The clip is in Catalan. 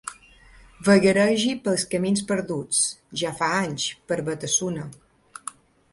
Vagaregi pels camins perduts, ja fa anys, per Batasuna.